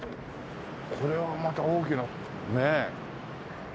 これはまた大きなねえ。